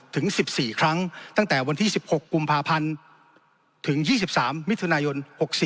ถึง๑๔ครั้งตั้งแต่วันที่๑๖กุมภาพันธ์ถึง๒๓มิถุนายน๖๔